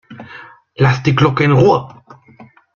Lass die Glucke in Ruhe!